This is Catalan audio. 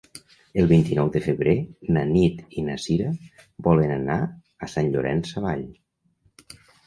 El vint-i-nou de febrer na Nit i na Sira volen anar a Sant Llorenç Savall.